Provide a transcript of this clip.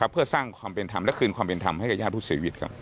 เพื่อสร้างความเป็นธรรมและคืนความเป็นธรรมให้กับญาติผู้เสียชีวิต